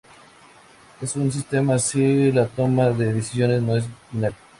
En un sistema así la toma de decisiones no es binaria.